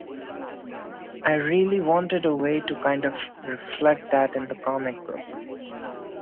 I really wanted a way to kind of reflect that in the comic book.